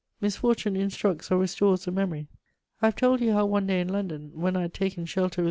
Misfortune instructs or restores the memory. I have told you how one day in London, when I had taken shelter with M.